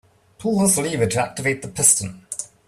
Pull this lever to activate the piston.